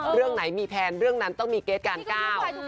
เรื่องไหนมีแพลนเรื่องนั้นต้องมีเกรทการก้าว